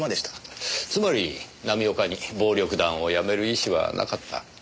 つまり浪岡に暴力団をやめる意思はなかった。